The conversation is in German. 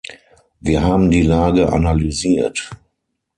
Wir haben die Lage analysiert.